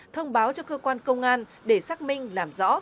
thông báo cho cơ quan công an để xác minh làm rõ